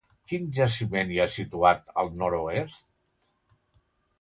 Quin jaciment hi ha situat al nord-oest?